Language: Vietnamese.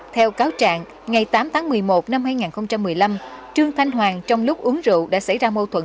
theo cáo trạng ngày tám tháng một mươi một năm hai nghìn một mươi năm trương thanh hoàng trong lúc uống rượu đã xảy ra mâu thuẫn